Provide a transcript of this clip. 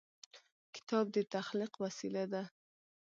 کتاب د تخلیق وسیله ده.